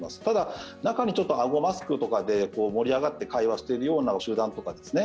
ただ、中にちょっとあごマスクとかで盛り上がって会話してるような集団とか。